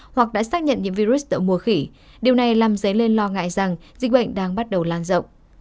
hoặc đã xác nhận nhiễm virus mùa khỉ điều này làm dấy lên lo ngại rằng dịch bệnh đang bắt đầu lan rộng